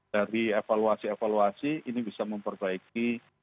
dari evaluasi evaluasi ini bisa memperbaiki